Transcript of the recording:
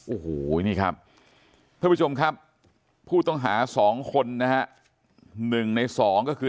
โอ้โหนี่ครับท่านผู้ชมครับผู้ต้องหา๒คนนะฮะ๑ใน๒ก็คือ